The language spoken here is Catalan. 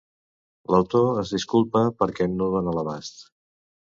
L'autor es disculpa perquè no dóna l'abast